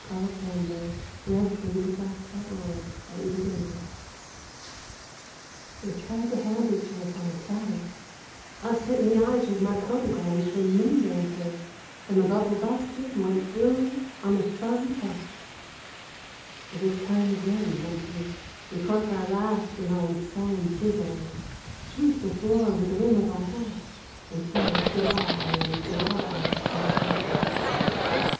62 Slabs of the Sunburnt West TWO HUMPTIES They tried to hand it to us on a platter, Us hit in the eyes with marconigrams from moon dancers — And the bubble busted, went flooey, on a thumb touch. So this time again, Humpty, We cork our laughs behind solemn phizzogs, Sweep the floor with the rim of our hats And say good a by and good a by, just like that.